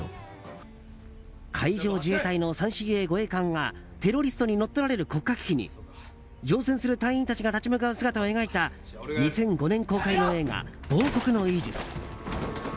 海上自衛隊の最新鋭護衛艦がテロリストに乗っ取られる国家危機に乗船する船員たちが立ち向かう姿を描いた２００５年公開の映画「亡国のイージス」。